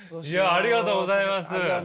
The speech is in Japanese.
ありがとうございます。